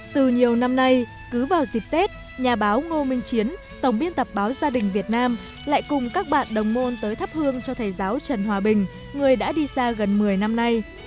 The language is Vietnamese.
từ nhiều năm nay cứ vào dịp tết nhà báo ngô minh chiến tổng biên tập báo gia đình việt nam lại cùng các bạn đồng môn tới thắp hương cho thầy giáo trần hòa bình người đã đi xa gần một mươi năm nay